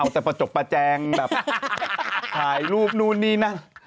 แต่ประจบประแจงแบบถ่ายรูปนู่นนี่นั่น